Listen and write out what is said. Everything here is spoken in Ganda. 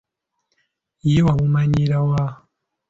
Ye wamumanyira wa?